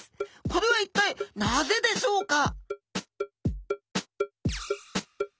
これは一体なぜでしょうか？